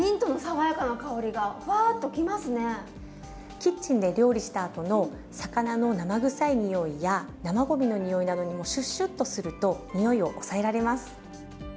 キッチンで料理したあとの魚の生臭い臭いや生ごみの臭いなどにもシュッシュッとすると臭いを抑えられます。